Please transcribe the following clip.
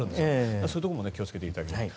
そういうところも気を付けていただきたい。